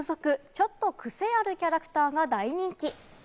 ちょっとクセあるキャラクターが大人気。